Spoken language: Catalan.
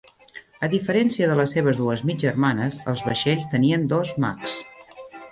A diferència de les seves dues mig germanes, els vaixells tenien dos "macks".